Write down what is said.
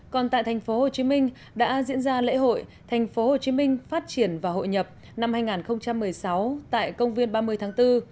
còn tại thành phố hồ chí minh đã diễn ra lễ hội thành phố hồ chí minh phát triển và hội nhập năm hai nghìn một mươi sáu tại công viên ba mươi tháng bốn